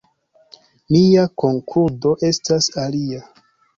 Mia konkludo estas alia.